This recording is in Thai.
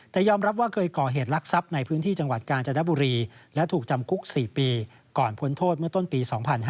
แต่ยอมรับว่าเคยก่อเหตุลักษัพในพื้นที่จังหวัดกาญจนบุรีและถูกจำคุก๔ปีก่อนพ้นโทษเมื่อต้นปี๒๕๕๙